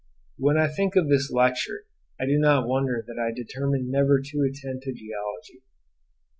When I think of this lecture, I do not wonder that I determined never to attend to Geology.